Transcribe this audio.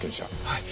はい。